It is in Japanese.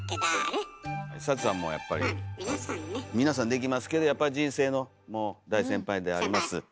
皆さんできますけどやっぱり人生の大先輩であります